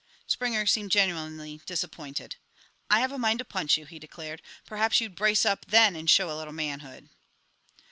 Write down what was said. Springer seemed genuinely disappointed. "I have a mind to punch you," he declared. "Perhaps you'd brace up then and show a little manhood."